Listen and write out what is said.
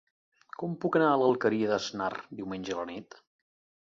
Com puc anar a l'Alqueria d'Asnar diumenge a la nit?